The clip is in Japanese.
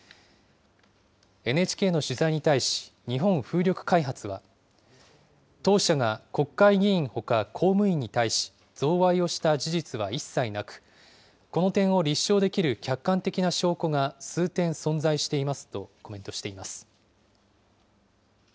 ＮＨＫの取材に対し、日本風力開発は、当社が国会議員ほか公務員に対し、贈賄をした事実は一切なく、この点を立証できる客観的な証拠が数点存在していますとコメントしています。